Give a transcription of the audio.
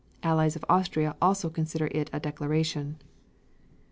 (Allies of Austria also consider it a declaration.)